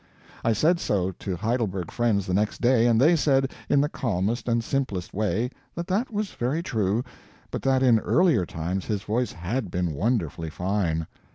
I said so to Heidelberg friends the next day, and they said, in the calmest and simplest way, that that was very true, but that in earlier times his voice HAD been wonderfully fine.